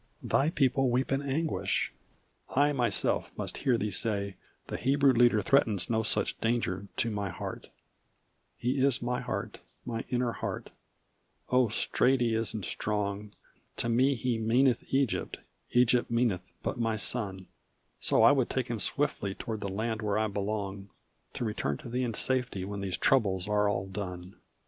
Thy people weep in anguish I myself must hear thee say The Hebrew leader threatens no such danger to my heart "He is my heart my inner heart; 0 straight he is and strong! To me he meaneth Egypt Egypt meaneth but my son So I would take him swiftly toward the land where I belong To return to thee in safety when these troubles all are done."